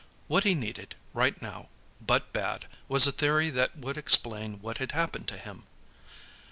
What he needed, right now, but bad, was a theory that would explain what had happened to him.